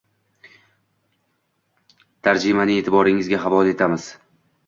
Tarjimani etiboringizga havola etamiz